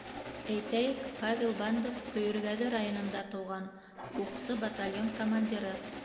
Әйтәйек, Павел Бандов Көйөргәҙе районында тыуған, уҡсы, батальон командиры.